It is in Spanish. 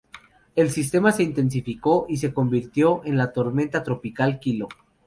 El sistema se intensificó y se convirtió en la tormenta tropical Kilo.